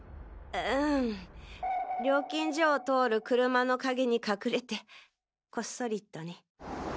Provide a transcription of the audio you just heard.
ううん料金所を通る車の陰に隠れてコッソリとね。